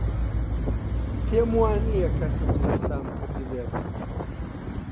پێم وا نییە کەسم سەرسام کردبێت.